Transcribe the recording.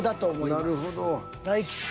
なるほど。